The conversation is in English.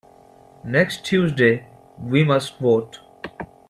Next Tuesday we must vote.